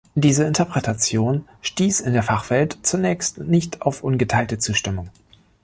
Diese Interpretation stieß in der Fachwelt zunächst nicht auf ungeteilte Zustimmung.